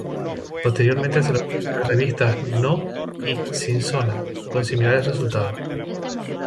Posteriormente hace lo mismo con las revistas ""No"" y ""Sin Zona"", con similares resultados.